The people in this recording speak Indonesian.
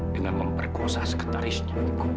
dengan memperkuasa sekretarisnya ikut